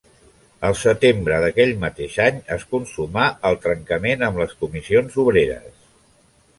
El setembre d'aquell mateix any es consumà el trencament amb les Comissions Obreres.